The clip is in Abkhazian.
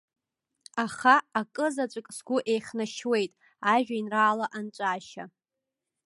Аха, акызаҵәык сгәы еихьнашьуеит ажәеинраала анҵәашьа.